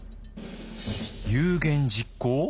有言実行？